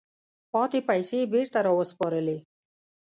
پاتې پیسې یې بیرته را وسپارلې.